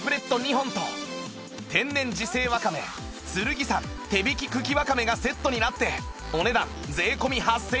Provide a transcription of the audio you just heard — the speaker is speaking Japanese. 本と天然自生わかめ剣山手引き茎わかめがセットになってお値段税込８０００円